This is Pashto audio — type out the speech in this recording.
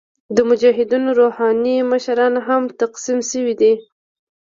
د مجاهدینو روحاني مشران هم تقسیم شوي دي.